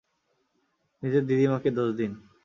নিজের দিদিমাকে দোষ দিন।